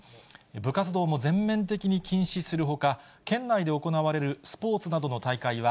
部活動も全面的に禁止するほか、県内で行われるスポーツなどの大会は、